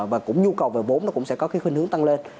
và cũng nhu cầu về vốn nó cũng sẽ có cái khuyên hướng tăng lên